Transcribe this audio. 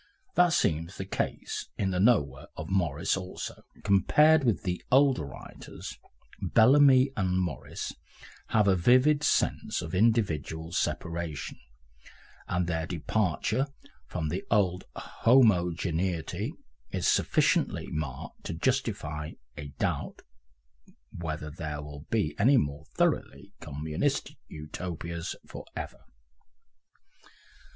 That seems the case in the "Nowhere" of Morris also. Compared with the older writers Bellamy and Morris have a vivid sense of individual separation, and their departure from the old homogeneity is sufficiently marked to justify a doubt whether there will be any more thoroughly communistic Utopias for ever.